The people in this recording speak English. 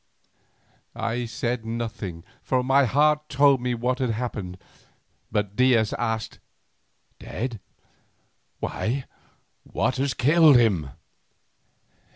I said nothing, for my heart told me what had happened, but Diaz asked, "Dead—why, what has killed him?"